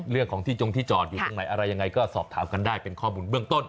เรื่องของที่จงที่จอดอยู่ตรงไหนอะไรยังไงก็สอบถามกันได้เป็นข้อมูลเบื้องต้น